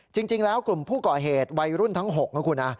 จริงแล้วกลุ่มผู้ก่อเหตุวัยรุ่นทั้ง๖นะคุณนะ